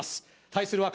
対するは